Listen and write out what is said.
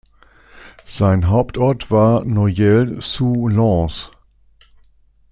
Sein Hauptort war Noyelles-sous-Lens.